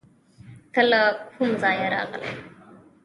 ته له کوم ځایه راغلې؟